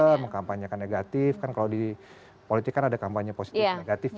meng counter mengkampanyakan negatif kan kalau di politik kan ada kampanye positif negatif ya